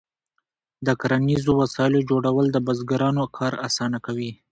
د کرنیزو وسایلو جوړول د بزګرانو کار اسانه کوي.